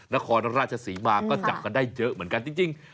นครราชศรีมาก็จับกันได้เยอะเหมือนกันจริง